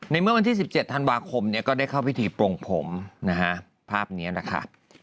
เมื่อวันที่๑๗ธันวาคมก็ได้เข้าพิธีปลงผมนะฮะภาพนี้แหละค่ะ